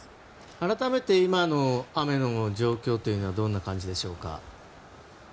改めて今の雨の状況はどんな感じでしょうか。